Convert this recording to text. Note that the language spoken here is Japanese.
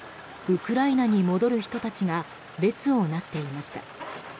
ウクライナに戻る人たちが列をなしていました。